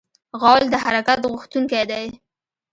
غول د حرکت غوښتونکی دی.